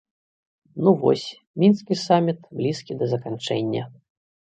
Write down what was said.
Ну вось, мінскі саміт блізкі да заканчэння.